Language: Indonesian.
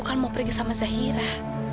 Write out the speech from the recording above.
pak prabu kan mau pergi sama zahira